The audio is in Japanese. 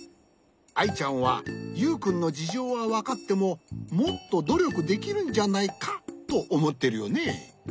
アイちゃんはユウくんのじじょうはわかってももっとどりょくできるんじゃないかとおもってるよね。